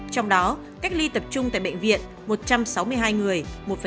trong đó cách ly tập trung tại bệnh viện một trăm sáu mươi hai người một